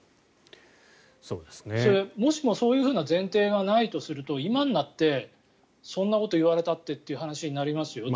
もしもそういうふうな前提がないとしたら今になってそんなことを言われたってって話になりますよ